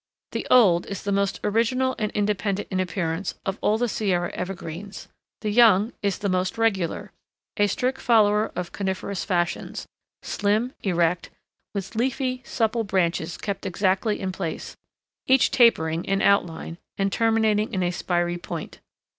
The old is the most original and independent in appearance of all the Sierra evergreens; the young is the most regular,—a strict follower of coniferous fashions,—slim, erect, with leafy, supple branches kept exactly in place, each tapering in outline and terminating in a spiry point.